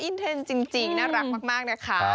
เทนจริงน่ารักมากนะคะ